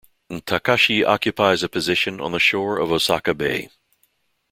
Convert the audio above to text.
Takaishi occupies a position on the shore of Osaka Bay.